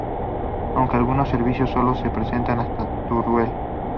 Aunque algunos servicios solo se prestan hasta Teruel.